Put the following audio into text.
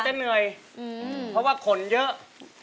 เพราะว่าขนเยอะ